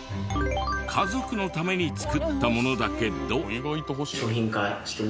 家族のために作ったものだけど。